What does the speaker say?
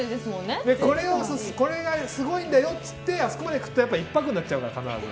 これがすごいんだよって言ってあそこまで行くと１泊になっちゃうから、必ず。